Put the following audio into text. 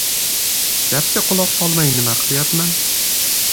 — Gapga quloq solmay nima qilyapman?